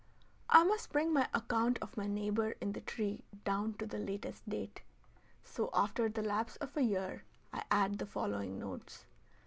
I must bring my account of my neighbor in the tree down to the latest date; so after the lapse of a year I add the following notes.